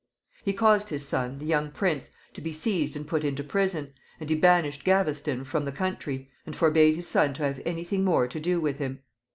He caused his son, the young prince, to be seized and put into prison, and he banished Gaveston from the country, and forbade his son to have any thing more to do with him.